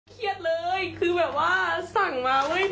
เครียดเลยคือแบบว่าสั่งมาว่า